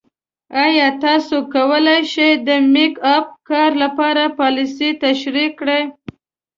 ایا تاسو کولی شئ د میک اپ کار لپاره پالیسۍ تشریح کړئ؟